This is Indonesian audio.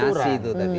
yang mutlak itu laturan